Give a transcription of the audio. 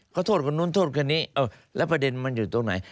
เขาโทษคนนู้นโทษคนนี้แล้วประเด็นมันอยู่ตรงไหน